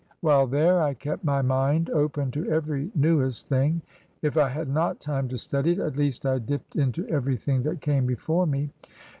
While there, I kept my mind open to every newest thing. If I had not time to study it, at least I dipped into tvexythmg that came before me."